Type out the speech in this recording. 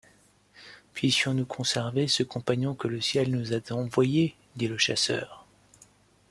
Puissions-nous conserver ce compagnon que le Ciel nous a envoyé! dit le chasseur.